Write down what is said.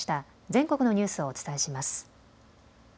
全国のニュースをお伝えします。